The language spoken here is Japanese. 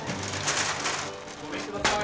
・ごめんください。